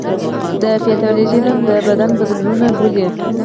د پیتالوژي علم د بدن بدلونونه لولي.